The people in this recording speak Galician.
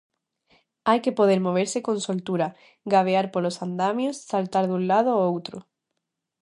Hai que poder moverse con soltura, gabear polos andamios, saltar dun lado ó outro.